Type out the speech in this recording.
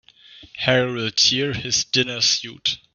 Harry'll tear his dinner suit.